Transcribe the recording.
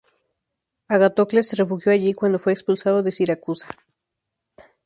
Agatocles se refugió allí cuando fue expulsado de Siracusa.